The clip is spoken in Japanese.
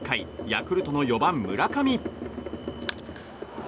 ヤクルトの４番、村上。